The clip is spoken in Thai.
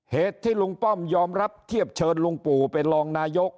เหตุที่ลุงป้อมยอมรับเทียบเชิญลุงปู่เป็นรองนายก